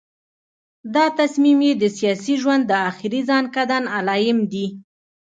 دا تصمیم یې د سیاسي ژوند د آخري ځنکدن علایم دي.